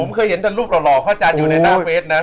ผมเคยเห็นรูปเหล่าข้าวอาจารย์อยู่ในหน้าเฟสนะ